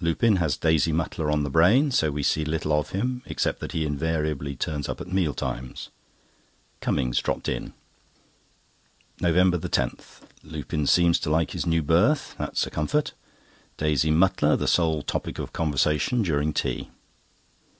Lupin has Daisy Mutlar on the brain, so we see little of him, except that he invariably turns up at meal times. Cummings dropped in. NOVEMBER 10.—Lupin seems to like his new berth—that's a comfort. Daisy Mutlar the sole topic of conversation during tea.